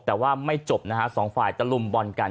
แต่ว่าไม่จบนะฮะสองฝ่ายตะลุมบอลกัน